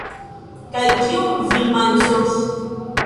Kaj kion vi manĝos?